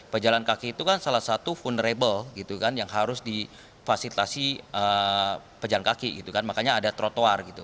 pejalan kaki itu kan salah satu vulnerable gitu kan yang harus difasilitasi pejalan kaki gitu kan makanya ada trotoar gitu